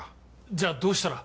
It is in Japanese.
じゃあどうしたら。